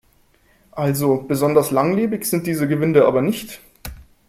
Also besonders langlebig sind diese Gewinde aber nicht.